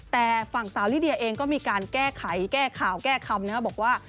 แต่ฝั่งสาวลิเดียเองก็มีการแก้ไขแก้ข่าวแก้คำนะครับบอกว่า